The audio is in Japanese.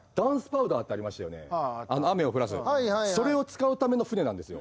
それを使うための船なんですよ。